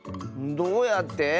どうやって？